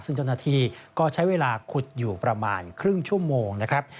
ซึ่งเจ้าหน้าที่ก็ใช้เวลาขุดอยู่ประมาณครึ่งชั่วโมงนะครับ